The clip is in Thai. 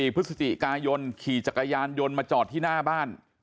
พฤศจิกายนขี่จักรยานยนต์มาจอดที่หน้าบ้าน